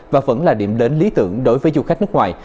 và vẫn là điểm đến lý tưởng đối với du khách nước ngoài